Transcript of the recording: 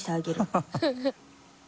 ハハハ